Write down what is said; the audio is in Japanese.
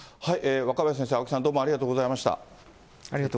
若林先生、青木さん、ありがとうございました。